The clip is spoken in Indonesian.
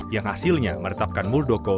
yang hasilnya meretapkan muldoko